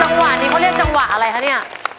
จังหวะนี้เขาเรียกจังหวะอะไรคะเนี่ย